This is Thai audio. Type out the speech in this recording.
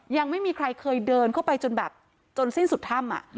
ยังไม่มีใครเคยเดินเข้าไปจนแบบจนสิ้นสุดถ้ำ